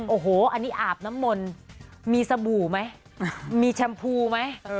โอ้โหอันนี้อาบน้ำมนต์มีสบู่ไหมมีแชมพูไหม